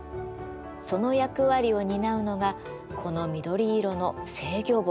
その役割を担うのがこの緑色の制御棒。